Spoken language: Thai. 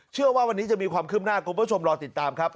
เชื่อว่าวันนี้จะมีความคืบหน้าคุณผู้ชมรอติดตามครับ